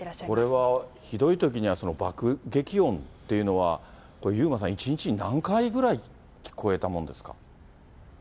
これはひどいときには、爆撃音というのは、これ遊馬さん、１日に何回ぐらい聞こえたもんですか？